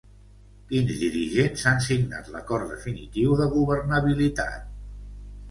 Quins dirigents han signat l'acord definitiu de governabilitat?